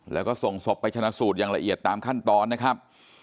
แล้วก็ส่งศพไปชนะสูตรอย่างละเอียดตามขั้นตอนนะครับ